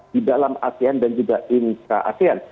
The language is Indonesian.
di dalam asean dan juga intra asean